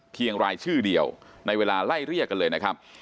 รายชื่อเดียวในเวลาไล่เรียกกันเลยนะครับ